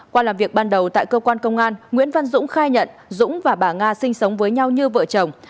qua làm việc ban đầu tại cơ quan công an nguyễn văn dũng khai nhận dũng và bà nga sinh sống với nhau như vợ chồng